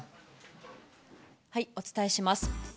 お伝えします。